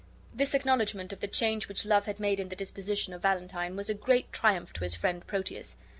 This acknowledgment of the change which love had made in, the disposition of Valentine was a great triumph to his friend Proteus.